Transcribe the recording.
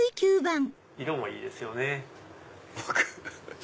色もいいですよね。